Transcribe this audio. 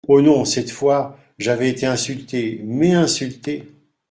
Oh ! non… cette fois, j’avais été insulté !… mais insulté !…